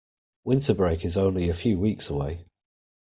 Winter break is only a few weeks away!